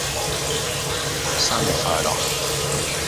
生日快樂